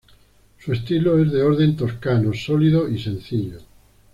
Su estilo es de orden toscano, sólido y sencillo.